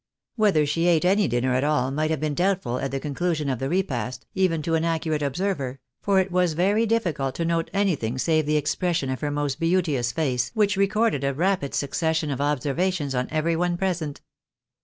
Whether she ate any dinner at all might have been doubtful at the conclusion of the repast, even to an accurate observer ; for it was very difficult to note anything save the expression of her most beauteous face, which recorded a rapid succession of observations on every one present.